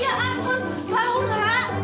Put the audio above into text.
ya ampun laura